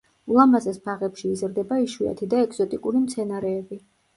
ულამაზეს ბაღებში იზრდება იშვიათი და ეგზოტიკური მცენარეები.